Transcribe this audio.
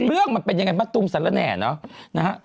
เรื่องมันเป็นยังไงมะตูมสรรแหน่เนอะนะฮะ